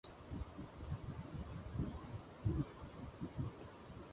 The people of this kingdom would be regarded today as people with psychic powers.